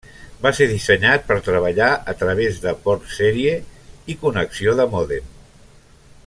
Va ser dissenyat per treballar a través de port sèrie i connexió de mòdem.